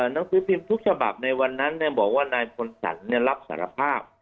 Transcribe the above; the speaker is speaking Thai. นักศึกภิมพ์ทุกฉบับในวันนั้นบอกว่านายผลสรรเนี่ยรับสารภาพ